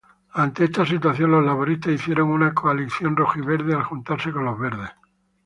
Ante esta situación, los laboristas hicieron una coalición "roji-verde", al juntarse con los verdes.